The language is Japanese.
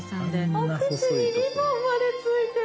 お靴にリボンまでついてる！